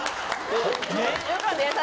よかった。